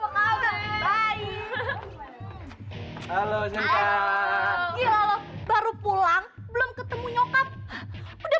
hai hai hai hai hai hai hai hai hai halo halo halo baru pulang belum ketemu nyokap udah